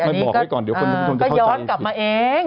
อันนี้ก็ย้อนกลับมาเอง